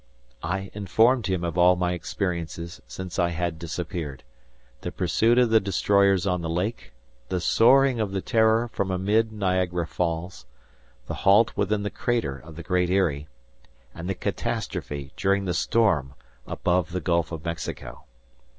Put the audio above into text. I informed him of all my experiences since I had disappeared, the pursuit of the destroyers on the lake, the soaring of the "Terror" from amid Niagara Falls, the halt within the crater of the Great Eyrie, and the catastrophe, during the storm, above the Gulf of Mexico.